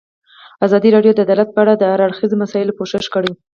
ازادي راډیو د عدالت په اړه د هر اړخیزو مسایلو پوښښ کړی.